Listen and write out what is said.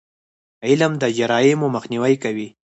علم د جرایمو مخنیوی کوي.